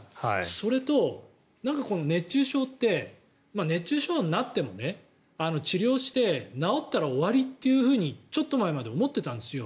それと、熱中症って熱中症になっても治療して、治ったら終わりとちょっと前まで思ってたんですよ。